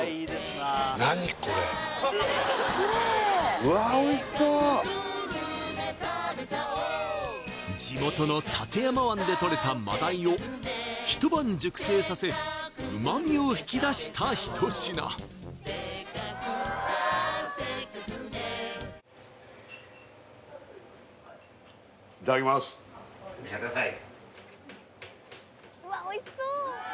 何これうわおいしそう地元の館山湾でとれた真鯛を一晩熟成させ旨みを引き出した一品いただきます召し上がってください